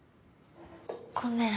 ごめん